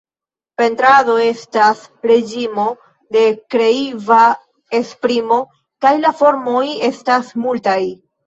Pentrado estas reĝimo de kreiva esprimo, kaj la formoj estas multaj.